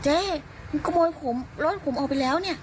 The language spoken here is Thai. เจ๊มันขโมยรถผมออกไปแล้ว